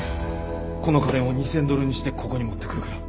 この金を２，０００ドルにしてここに持ってくるから。